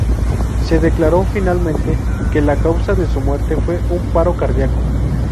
Se declaró finalmente que la causa de su muerte fue un paro cardíaco.